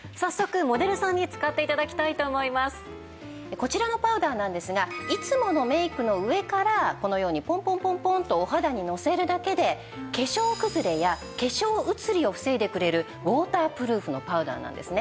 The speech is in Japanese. こちらのパウダーなんですがいつものメイクの上からこのようにポンポンポンポンとお肌にのせるだけで化粧くずれや化粧移りを防いでくれるウォータープルーフのパウダーなんですね。